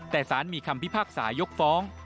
แต่สารมีคำพิพากษายกฟ้อง